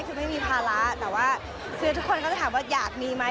คือไม่มีภาระแต่ว่าคือทุกคนก็จะถามว่าอยากมีไหม